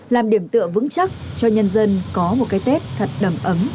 làm điểm tựa vững chắc cho nhân dân có một cái tết thật đầm ấm